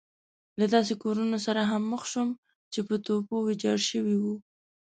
له داسې کورونو سره هم مخ شوم چې په توپو ويجاړ شوي وو.